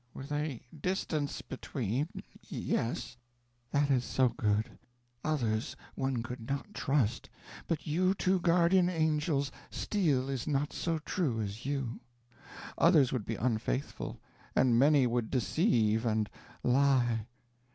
"With a distance between yes." "That is so good. Others one could not trust; but you two guardian angels steel is not so true as you. Others would be unfaithful; and many would deceive, and lie."